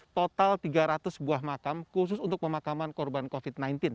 total tiga ratus buah makam khusus untuk pemakaman korban covid sembilan belas